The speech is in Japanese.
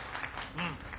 うん。